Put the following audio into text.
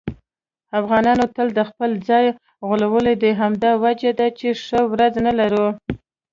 افغانانو تل خپل ځان غولولی دی. همدا وجه ده چې ښه ورځ نه لرو.